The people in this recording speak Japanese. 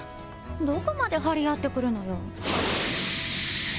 どこまで張り合ってくるのよ。